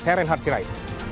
saya reinhard sirai